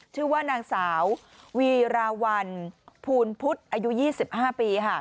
ชื่อว่านางสาววีราวัลภูนพุธอายุ๒๕ปี